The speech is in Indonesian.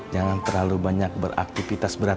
jangan terlalu banyak beraktifitas berantakan